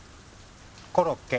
コロッケ。